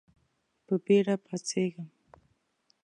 په بېړه پاڅېږم .